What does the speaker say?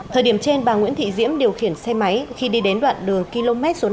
thời điểm trên bà nguyễn thị diễm điều khiển xe máy khi đi đến đoạn đường km số năm